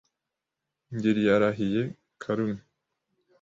Ngeri yarahiye Karume